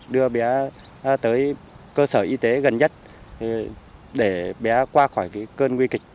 đưa bé tới cơ sở y tế gần nhất để bé qua khỏi cơn nguy kịch